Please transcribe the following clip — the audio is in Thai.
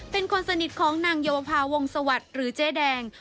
เป็นคนสนิทของนางเยาวภาวงศวรรค์หรือเจ๊แดง